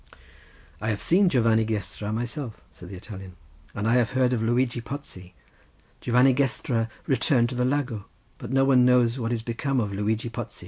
"I have seen Giovanni Gestra myself," said the Italian, "and I have heard of Luigi Pozzi. Giovanni Gestra returned to the Lago—but no one knows what is become of Luigi Pozzi."